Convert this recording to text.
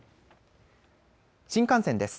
新幹線です。